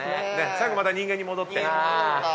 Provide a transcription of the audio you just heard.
最後また人間に戻って。